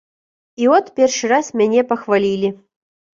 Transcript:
І от першы раз мяне пахвалілі.